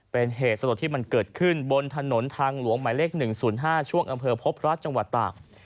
เป็นเหตุสลดที่มันเกิดขึ้นบนถนนทางหลวงหมายเลข๑๐๕ช่วงอำเภอพบพระจังหวัดตาก